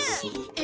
え？